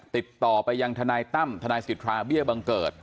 ติดต่อไปยังทนายตั้มทนายสิทธาเบี้ยบังเกิด